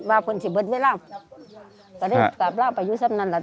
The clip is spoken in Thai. ว่าเพิ่งจะเบิดเวลาแต่นี่กราบล่าไปอยู่ซ้ำนั่นแล้ว